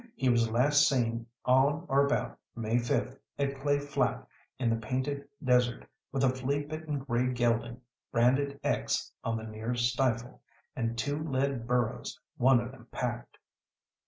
He was last seen on or about May 5th, at Clay Flat, in the Painted Desert, with a flea bitten grey gelding branded x on the near stifle, and two led burros, one of them packed."